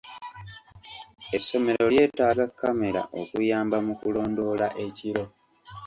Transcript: Essomero lyeetaaga kkamera okuyamba mu kulondoola ekiro.